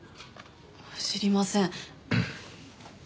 知りません。